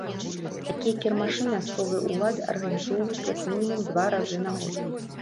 Такія кірмашы мясцовыя ўлады арганізоўваюць як мінімум два разы на год.